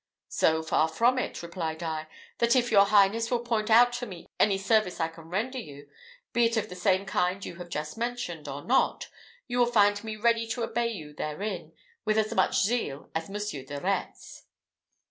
"So far from it," replied I, "that if your highness will point out to me any service I can render you, be it of the same kind you have just mentioned, or not, you will find me ready to obey you therein, with as much zeal as Monsieur de Retz."